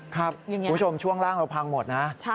คุณผู้ชมช่วงล่างเราพังหมดนะ